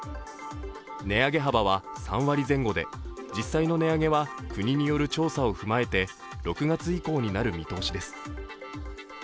値上げ幅は３割前後で実際の値上げは国による調査を踏まえて６月以降になる見通しです。